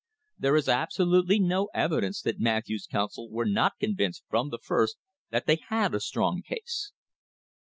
There is absolutely no evidence that Matthews's counsel were not convinced from the first that they had a strong case.